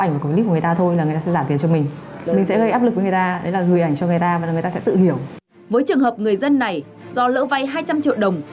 với trường hợp người dân này do lỡ vay hai trăm linh triệu đồng